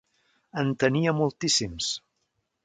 En tenia moltíssims.